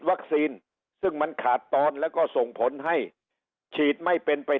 ซึ่งมันขาดตอนแล้วก็ส่งผลให้ฉีดไม่เป็นไป